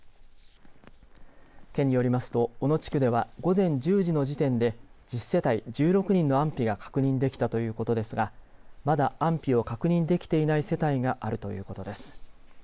県によりますと小野地区では午前１０時の時点で１０世帯１６人の安否が確認できたということですがまだ安否を確認できていない世帯があるということです。